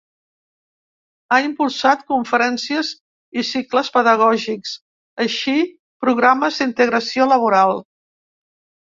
Ha impulsat conferències i cicles pedagògics, així programes d'integració laboral.